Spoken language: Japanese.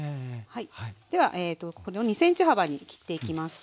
ではこれを２ｃｍ幅に切っていきます。